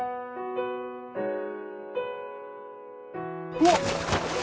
うわっ！